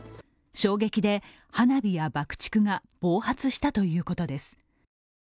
衝撃で花火や爆竹が暴発したということです。